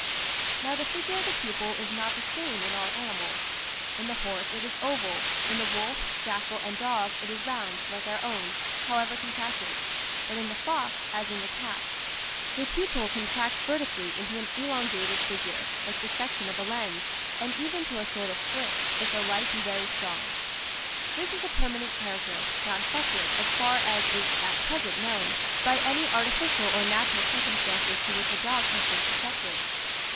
Now the figure of the pupil is not the same in all animals. In the horse it is oval; in the wolf, jackal, and dog, it is round, like our own, however contracted; but in the fox, as in the cat, the pupil contracts vertically into an elongated figure, like the section of a lens, and even to a sort of slit, if the light be very strong. This is a permanent character, not affected, as far as is at present known, by any artificial or natural circumstances to which the dog has been subjected.